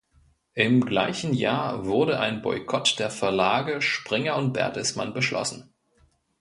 Im gleichen Jahr wurde ein Boykott der Verlage Springer und Bertelsmann beschlossen.